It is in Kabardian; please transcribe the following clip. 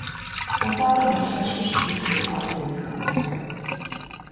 АтӀэ ар нэхъ лъэщу щытын хуейкъэ адрейхэм нэхърэ?».